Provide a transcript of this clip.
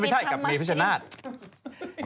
ไม่ใช่กับเมฟิชชนาธิพย์